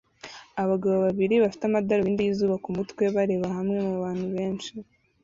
Abagabo babiri bafite amadarubindi yizuba kumutwe bareba hamwe mubantu benshi